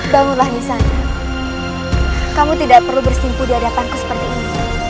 bangunlah misalnya kamu tidak perlu bersimpu di hadapanku seperti ini